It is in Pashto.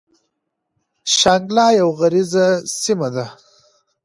شانګله يوه غريزه سيمه ده ـ